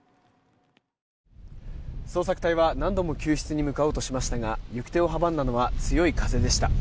捜索隊は何度も救出に向かおうとしましたが行く手を阻んだのは強い風でした。